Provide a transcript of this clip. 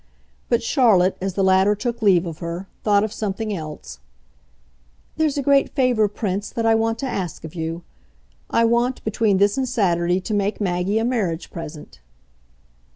But Charlotte, as the latter took leave of her, thought of something else. "There's a great favour, Prince, that I want to ask of you. I want, between this and Saturday, to make Maggie a marriage present."